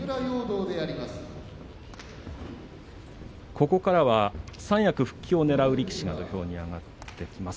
ここからは、三役復帰をねらう力士が土俵に上がってきます。